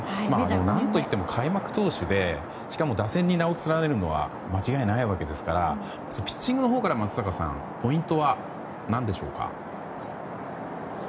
何といっても開幕投手でしかも打線に名を連ねるのは間違いないわけですからピッチングのほうから、松坂さんポイントはなんでしょうか。